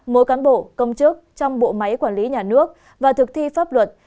mỗi cán bộ công chức trong bộ máy quản lý nhà nước và thực thi pháp luật